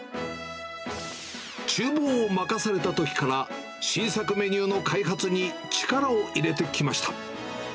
ちゅう房を任されたときから、新作メニューの開発に力を入れてきました。